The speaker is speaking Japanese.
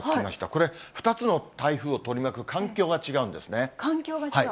これ、２つの台風を取り巻く環境環境が違う？